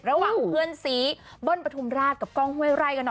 ระหว่างเพื่อนซีเบิ้ลปฐุมราชกับกล้องห้วยไร่กันนะ